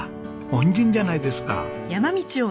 恩人じゃないですか。